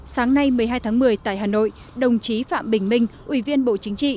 sáng nay một mươi hai tháng một mươi tại hà nội đồng chí phạm bình minh ủy viên bộ chính trị